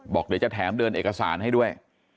บอกเดี๋ยวจะแถมเดินเอกสารให้ด้วย